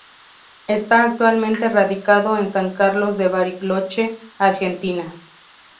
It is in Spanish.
Está actualmente radicado en San Carlos de Bariloche, Argentina.